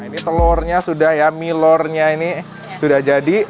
nah ini telurnya sudah ya milurnya ini sudah jadi